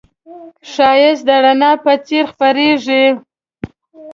ښایست د رڼا په څېر خپرېږي